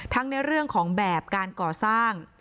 ในเรื่องของแบบการก่อสร้าง